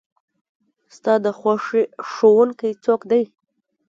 ستا د خوښې ښوونکي څوک دی؟